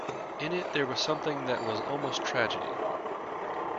In it there was something that was almost tragedy.